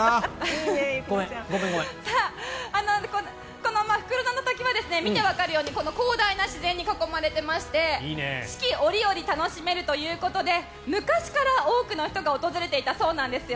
この袋田の滝は見てわかるようにこの広大な自然に囲まれていまして四季折々楽しめるということで昔から多くの人が訪れていたそうなんです。